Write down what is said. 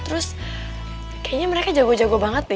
terus kayaknya mereka jago jago banget deh